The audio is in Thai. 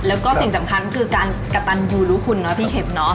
แล้วก็สิ่งสำคัญคือการกระตันยูรู้คุณเนาะพี่เข็มเนาะ